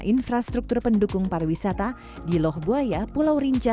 infrastruktur pendukung pariwisata di lohbuaya pulau rinca